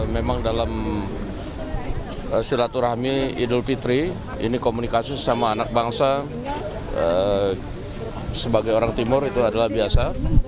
memang dalam silaturahmi idul fitri ini komunikasi sama anak bangsa sebagai orang timur itu adalah biasa